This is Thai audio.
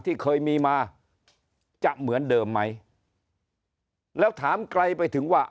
ที่เคยมีมาจะเหมือนเดิมไหมแล้วถามไกลไปถึงว่า